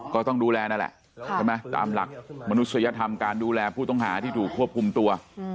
ก็ต้องดูแลนั่นแหละใช่ไหมตามหลักมนุษยธรรมการดูแลผู้ต้องหาที่ถูกควบคุมตัว